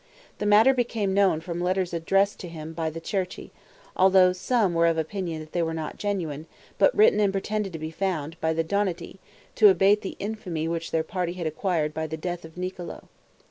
The matter became known from letters addressed to him by the Cerchi, although some were of opinion that they were not genuine, but written and pretended to be found, by the Donati, to abate the infamy which their party had acquired by the death of Niccolo.